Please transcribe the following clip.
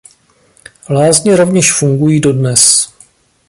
Lázně rovněž fungují dodnes.